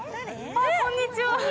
こんにちは。